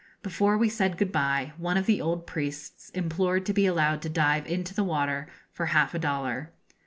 Before we said good bye, one of the old priests implored to be allowed to dive into the water for half a dollar.